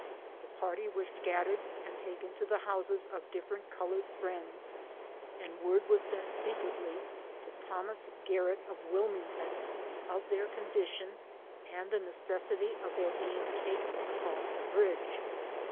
The party were scattered, and taken to the houses of different colored friends, and word was sent secretly to Thomas Garrett, of Wilmington, of their condition, and the necessity of their being taken across the bridge.